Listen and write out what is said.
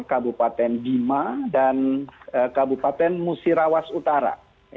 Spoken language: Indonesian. kabupaten bima dan kabupaten musirawas utara